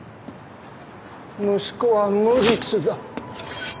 息子は無実だ。